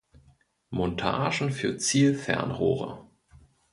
Montagen für Zielfernrohre.